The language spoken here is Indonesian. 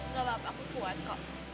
gak apa apa aku kuat kok